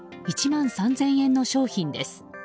１万３０００円の商品です。